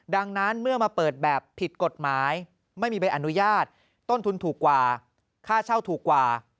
ดังนั้นเมื่อมาเปิดแบบผิดกฎหมายไม่มีใบอนุญาตต้นทุนถูกกว่าค่าเช่าถูกกว่า